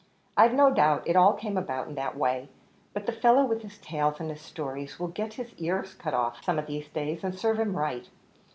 I've no doubt it all came about in that way, but that fellow with his tales and his stories, will get his ears cut off some of these days, and serve him right.